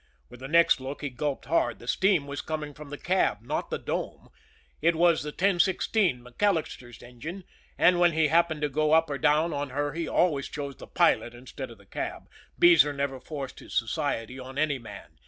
With the next look he gulped hard the steam was coming from the cab not the dome. It was the 1016, MacAllister's engine, and when he happened to go up or down on her he always chose the pilot instead of the cab Beezer never forced his society on any man.